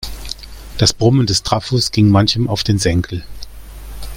Das Brummen des Trafos ging manchem auf den Senkel.